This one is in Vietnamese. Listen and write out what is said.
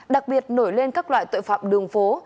đặc biệt nổi lên các loại tội phạm đường phố